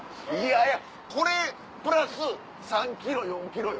これプラス３ｋｇ４ｋｇよ。